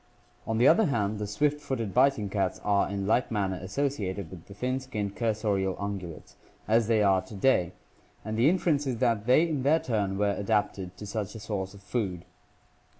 On the other hand, the swift footed biting cats are in like manner associated with the thin skinned cursorial ungulates—as they are to day— and the inference is that they in their turn were adapted to such a source of food.